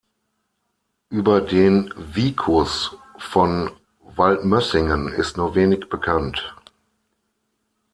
Über den "Vicus" von Waldmössingen ist nur wenig bekannt.